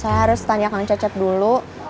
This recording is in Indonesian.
saya harus tanya kang cecep dulu